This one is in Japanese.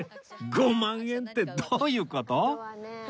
５万円ってどういう事？